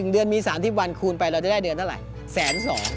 ๑เดือนมี๓๐วันคูณไปเราจะได้เดือนเท่าไหร่๑๒๐๐บาท